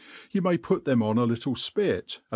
You may put them ^n a little Ifpit, and